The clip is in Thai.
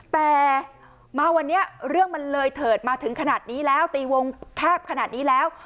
แต่มาวันนี้เรื่องมันเลยเถิดมาถึงขนาดนี้แล้วตีวงแคบขนาดนี้แล้ว